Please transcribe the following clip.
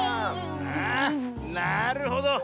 あなるほど。